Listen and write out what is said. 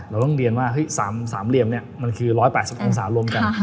เราต้องเรียนว่า๓เหลี่ยมเนี่ยมันคือ๑๘๐องศารวมกัน